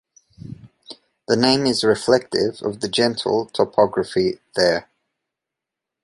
The name is reflective of the gentle topography there.